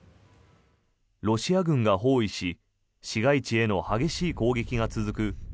ロシア軍が包囲し市街地への激しい攻撃が続く